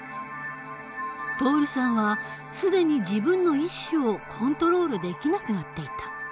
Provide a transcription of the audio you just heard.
徹さんは既に自分の意思をコントロールできなくなっていた。